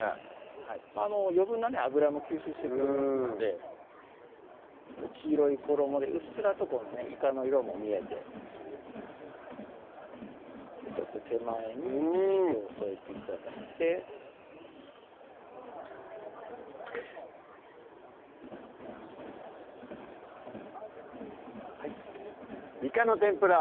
はい余分な油も吸収してくれますので黄色い衣でうっすらといかの色も見えてちょっと手前にししとうを添えて頂いてはい「いかの天ぷら」